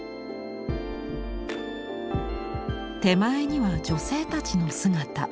手前には女性たちの姿。